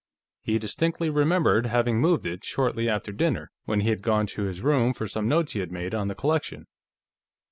He distinctly remembered having moved it, shortly after dinner, when he had gone to his room for some notes he had made on the collection.